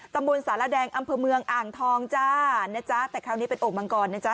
ตำบลสารแดงอำเภอเมืองอ่างทองจ้านะจ๊ะแต่คราวนี้เป็นโอ่งมังกรนะจ๊